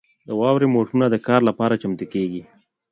د واورې موټرونه د کار لپاره چمتو کیږي